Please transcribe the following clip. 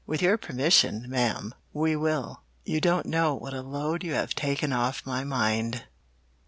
"With your permission, ma'am, we will. You don't know what a load you have taken off my mind."